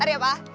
aduh ya pa